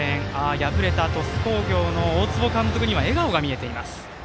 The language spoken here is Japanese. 敗れた鳥栖工業の大坪監督に笑顔が見えています。